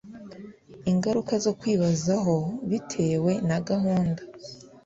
Ingaruka zo Kwibazaho Bitewe na Gahunda